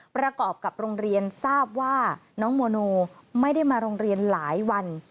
ประกอบกับโรงเรียนทราบว่าน้องโมโนไม่ได้มาโรงเรียนหลายวัน